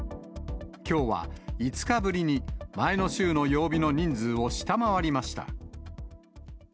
きょうは５日ぶりに、前の週の曜日の人数を下回りました。